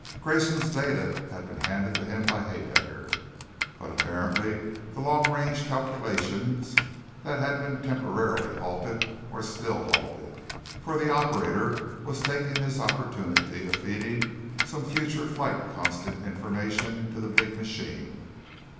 Grayson's data had been handed to him by Haedaecker. But apparently the long range calculations that had been temporarily halted were still halted, for the operator was taking this opportunity of feeding some future flight constant information to the big machine.